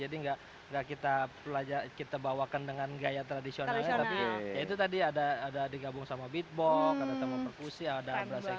biasanya kan gak kita bawakan dengan gaya tradisionalnya tapi ya itu tadi ada digabung sama beatbox ada tambang perkusia ada ambas actionnya juga